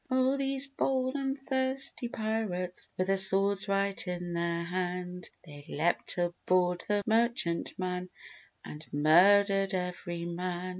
Oh, these bold and thirsty pirates With their swords right in their hand They leapt aboard the merchant man And murdered every man.